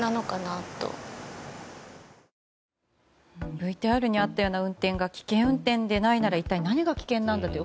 ＶＴＲにあったような運転が危険運転でないなら一体何が危険なんだという